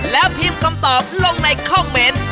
แล้วพิมพ์คำตอบลงในคอมเมนต์